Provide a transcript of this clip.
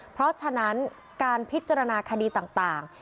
เพราะฉะนั้นการพิจารณาคดีต่าง